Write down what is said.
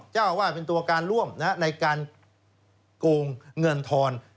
เจ้าอาวาสเป็นตัวการร่วมในการโกงเงินทอน